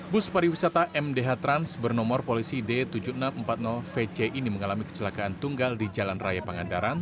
bus pariwisata mdh trans bernomor polisi d tujuh ribu enam ratus empat puluh vc ini mengalami kecelakaan tunggal di jalan raya pangandaran